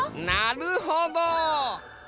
なるほど！